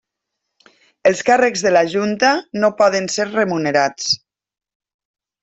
Els càrrecs de la Junta no poden ser remunerats.